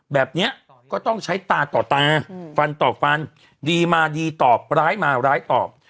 แบบนี้ก็ต้องใช้ตาต่อตาฟันต่อฟันดีมาดีตอบร้ายมาร้ายตอบ